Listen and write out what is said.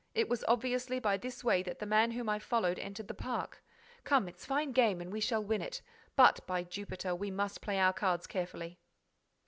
It was obviously by this way that the man whom I followed entered the park. Come, it's fine game and we shall win it. But, by Jupiter, we must play our cards carefully!"